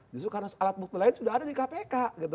justru karena alat bukti lain sudah ada di kpk gitu